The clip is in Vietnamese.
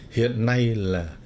hiện nay là